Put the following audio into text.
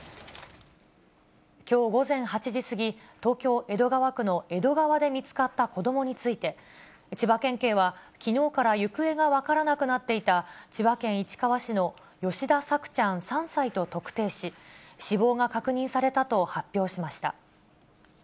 きょう午前８時過ぎ、東京・江戸川区の江戸川で見つかった子どもについて、千葉県警はきのうから行方が分からなくなっていた、千葉県市川市の吉田朔ちゃん３歳と特定し、死亡が確認されたと発表しました。